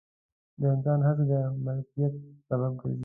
د انسان هڅې د مالکیت سبب ګرځي.